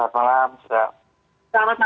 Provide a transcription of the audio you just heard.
selamat malam mbak